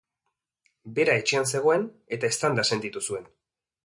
Bera etxean zegoen eta eztanda sentitu zuten.